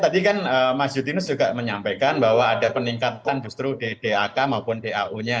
tadi kan mas jutinus juga menyampaikan bahwa ada peningkatan justru di dak maupun dau nya